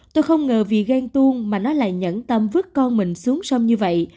tôi không ngờ vì ghen tuông mà nó lại nhẫn tâm vứt con mình xuống sông như vậy